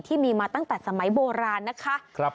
ที่มีมาตั้งแต่สมัยโบราณนะคะ